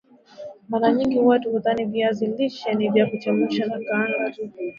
Mara nyingi watu hudhani viazi lishe ni vya kuchemsha na kukaanga tu